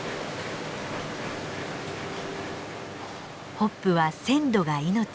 ホップは鮮度が命。